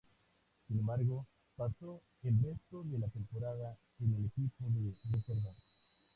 Sin embargo, pasó el resto de la temporada en el equipo de reservas.